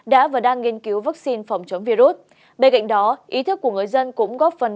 đã và đang nghiên cứu vaccine phòng chống virus bên cạnh đó ý thức của người dân cũng góp phần